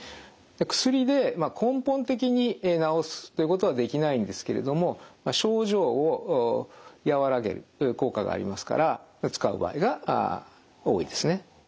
薬で根本的に治すということはできないんですけれども症状を和らげる効果がありますから使う場合が多いですね。